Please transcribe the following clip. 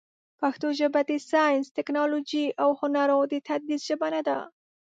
پښتو ژبه د ساینس، ټکنالوژۍ، او هنرونو د تدریس ژبه نه ده.